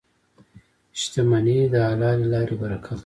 • شتمني د حلالې لارې برکت لري.